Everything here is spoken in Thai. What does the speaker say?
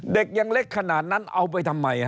เด็กยังเล็กขนาดนั้นเอาไปทำไม